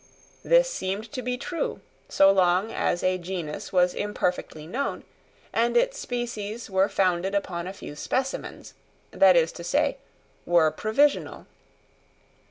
This seemed to be true, so long as a genus was imperfectly known, and its species were founded upon a few specimens, that is to say, were provisional.